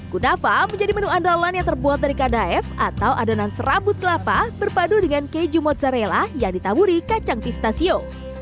kunafa menjadi menu andalan yang terbuat dari kadaef atau adonan serabut kelapa berpadu dengan keju mozarella yang ditaburi kacang pistachio